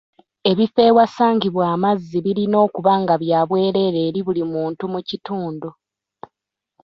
Ebifo ewasangibwa amazzi birina okuba nga bya bwerere eri buli muntu mu kitundu.